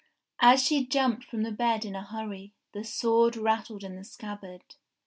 as she jumped from the bed in a hurry, the sword rattled in the scabbard.